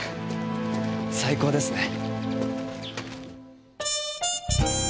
最高ですね。